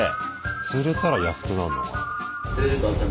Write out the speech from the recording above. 釣れたら安くなんのかな？